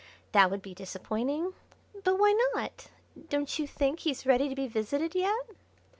That would be disappointing. But why not? don't you think he's ready to be visited yet?"